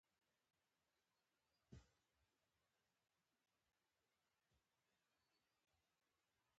د افغانستان لرغونی تاریخ ویاړلی دی